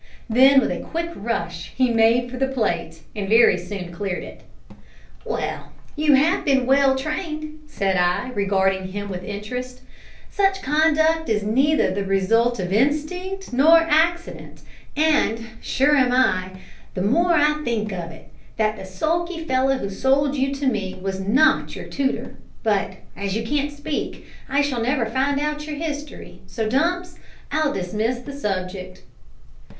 Then, with a quick rush he made for the plate, and very soon cleared it. "Well, you have been well trained," said I, regarding him with interest; "such conduct is neither the result of instinct nor accident, and sure am I, the more I think of it, that the sulky fellow who sold you to me was not your tutor; but, as you can't speak, I shall never find out your history, so, Dumps, I'll dismiss the subject."